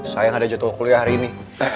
sayang ada jadwal kuliah hari ini